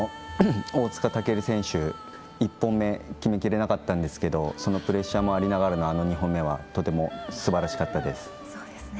大塚健選手、１本目決めきれなかったんですけどそのプレッシャーもありながらのあの２本目はとてもすばらしかったです。